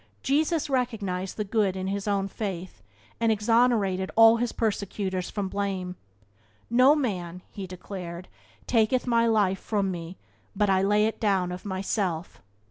Jesus recognized the good in his own fate, and exonerated all his persecutors from blame. "No man," he declared, "taketh my life from me, but I lay it down of myself."